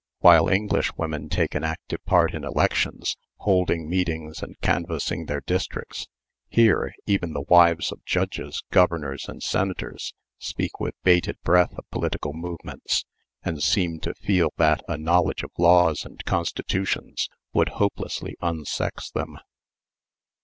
While English women take an active part in elections, holding meetings and canvassing their districts, here, even the wives of judges, governors, and senators speak with bated breath of political movements, and seem to feel that a knowledge of laws and constitutions would hopelessly unsex them.